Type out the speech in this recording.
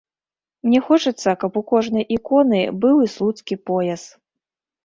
Мне хочацца, каб у кожнай іконы быў і слуцкі пояс.